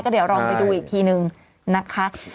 เดี๋ยวลองไปดูอีกทีนึงนะคะ